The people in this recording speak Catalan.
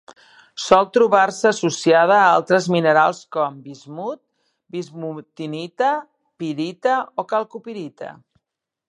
Sol trobar-se associada a altres minerals com: bismut, bismutinita, pirita o calcopirita.